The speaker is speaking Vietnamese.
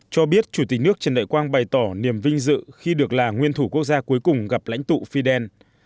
cho biết chủ tịch nước trần đại quang bày tỏ niềm vinh dự khi được là nguyên thủ quốc gia cuối cùng gặp lãnh tụ fidel